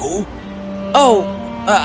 apa yang terjadi